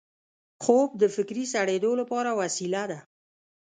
خوب د فکري سړېدو لپاره وسیله ده